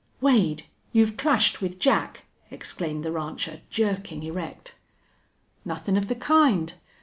"Wade, you've clashed with Jack!" exclaimed the rancher, jerking erect. "Nothin' of the kind.